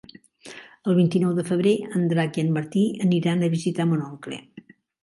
El vint-i-nou de febrer en Drac i en Martí aniran a visitar mon oncle.